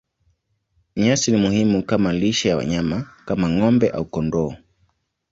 Nyasi ni muhimu kama lishe ya wanyama kama ng'ombe au kondoo.